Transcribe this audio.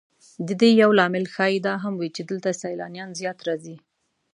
د دې یو لامل ښایي دا هم وي چې دلته سیلانیان زیات راځي.